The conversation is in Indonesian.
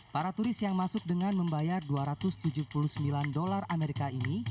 para turis yang masuk dengan membayar dua ratus tujuh puluh sembilan dolar amerika ini